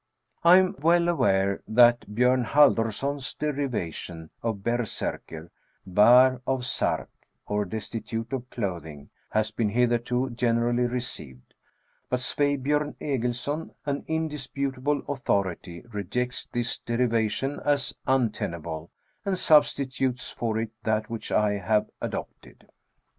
I am well aware that Bjom Halldorson's derivation of berserkr, bare of sark, or destitute of clothing, has been hitherto generally received, but Svei THE SCANDINAVIAN WERE WOLF. 37 bjom Egilsson, an indisputable authority, rejects this derivation as untenable, and substitutes for it that which I have adopted.